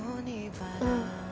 うん